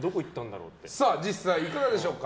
実際いかがでしょうか。